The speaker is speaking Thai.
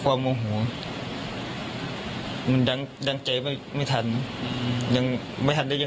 ผมออกมาติดได้